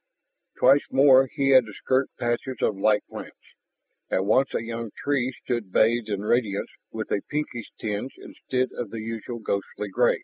Twice more he had to skirt patches of light plants, and once a young tree stood bathed in radiance with a pinkish tinge instead of the usual ghostly gray.